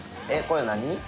これ何？